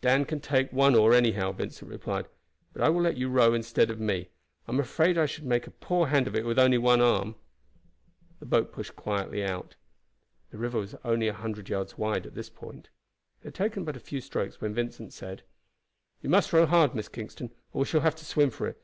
"Dan can take one oar, anyhow," Vincent replied; "but I will let you row instead of me. I am afraid I should make a poor hand of it with only one arm." The boat pushed quietly out. The river was about a hundred yards wide at this point. They had taken but a few strokes when Vincent said: "You must row hard, Miss Kingston, or we shall have to swim for it.